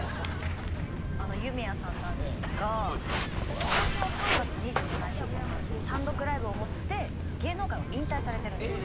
あの夢屋さんなんですが今年の３月２７日の単独ライブをもって芸能界を引退されてるんです。